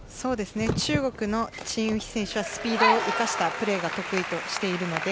中国のチン・ウヒ選手はスピードを活かしたプレーが得意としています。